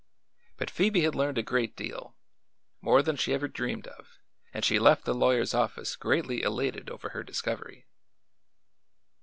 But Phoebe had learned a great deal; more than she had ever dreamed of, and she left the lawyer's office greatly elated over her discovery.